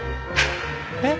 えっ？